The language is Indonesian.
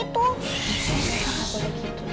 sita nggak boleh gitu